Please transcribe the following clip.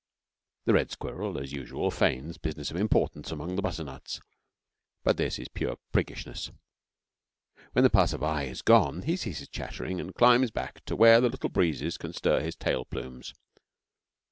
The red squirrel as usual feigns business of importance among the butternuts, but this is pure priggishness. When the passer by is gone he ceases chattering and climbs back to where the little breezes can stir his tail plumes.